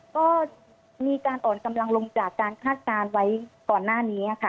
ก็มีการอ่อนกำลังลงจากการคาดการณ์ไว้ก่อนหน้านี้ค่ะ